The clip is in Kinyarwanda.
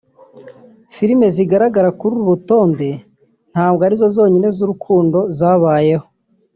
Filime zigaragara kuri uru rutonde ntabwo ari zo zonyine z’urukundo zabayeho